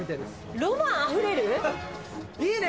ロマンあふれる？いいね！